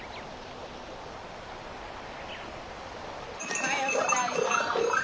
おはようございます。